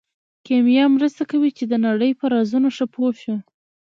کیمیا مرسته کوي چې د نړۍ په رازونو ښه پوه شو.